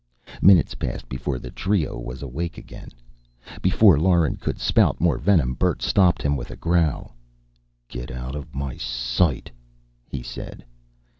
Minutes passed before the trio was awake again. Before Lauren could spout more venom, Bert stopped him with a growl. "Get out of my sight," he said.